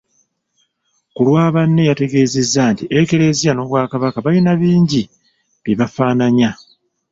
Ku lwa banne yategeezezza nti Eklezia n'Obwakabaka balina bingi bye bafaananya.